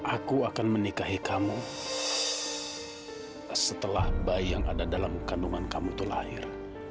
aku akan menikahi kamu setelah bayi yang ada dalam kandungan kamu itu lahir